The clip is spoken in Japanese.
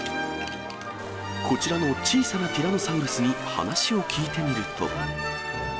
こちらの小さなティラノサウルスに話を聞いてみると。